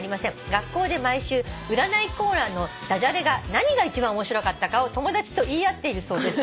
学校で毎週占いコーナーのダジャレが何が一番面白かったかを友達と言い合っているそうです」